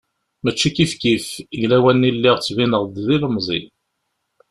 Mačči kifkif, deg lawan-nni lliɣ ttbineɣ-d d ilemẓi.